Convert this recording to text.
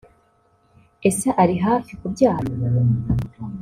ese ari hafi kubyara”